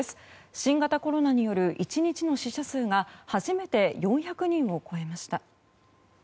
新型コロナによる１日の死者数が初めて４００人を超えました。